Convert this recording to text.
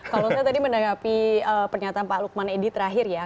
kalau saya tadi menanggapi pernyataan pak lukman edi terakhir ya